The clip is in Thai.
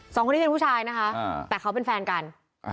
สองคนนี้เป็นผู้ชายนะคะแต่เขาเป็นแฟนกัน